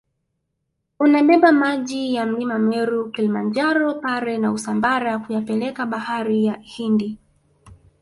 unabeba maji ya mlima meru Kilimanjaro pare na usambara kuyapeleka bahari ya hindi